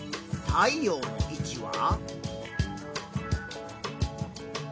太陽の位置は？